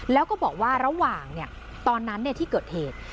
แล้วก็บอกว่าระหว่างตอนนั้นที่เกิดเหตุ